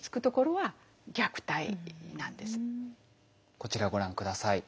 こちらをご覧下さい。